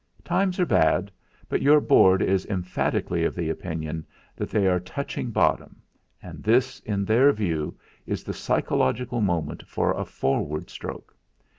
"Times are bad, but your Board is emphatically of the opinion that they are touching bottom; and this, in their view, is the psychological moment for a forward stroke.